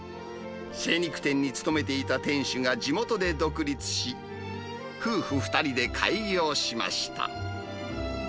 精肉店に勤めていた店主が地元で独立し、夫婦２人で開業しました。